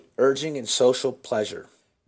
Urging, and social pleasure. — M.